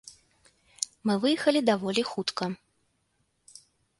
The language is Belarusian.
Мы выехалі даволі хутка.